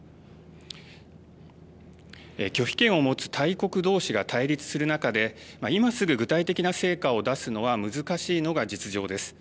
拒否権を持つ大国同士が対立する中で今すぐ具体的な成果を出すのは難しいのが実情です。